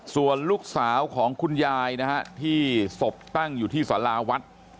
ส่วนลูกสาวของคุณยายนะฮะที่ศพตั้งอยู่ที่สาราวัด